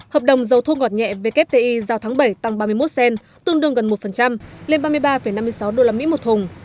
hợp đồng dầu thô ngọt nhẹ wti giao tháng bảy tăng ba mươi một cent tương đương gần một lên ba mươi ba năm mươi sáu usd một thùng